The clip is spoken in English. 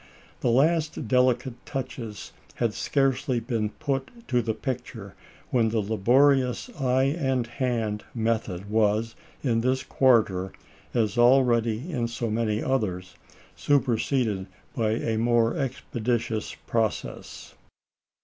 The last delicate touches had scarcely been put to the picture, when the laborious eye and hand method was, in this quarter, as already in so many others, superseded by a more expeditious process.